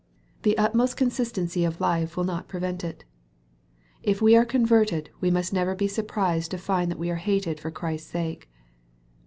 The utmost consistency of life will not prevent it. If we are converted, we must never be Burprised to find that we are hated for Christ's sake.